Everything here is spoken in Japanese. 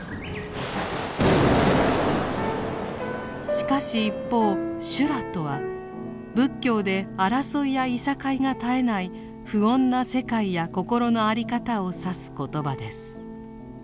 しかし一方「修羅」とは仏教で争いやいさかいが絶えない不穏な世界や心の在り方を指す言葉です。